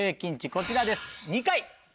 こちらです。